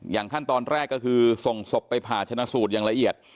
ขั้นตอนแรกก็คือส่งศพไปผ่าชนะสูตรอย่างละเอียด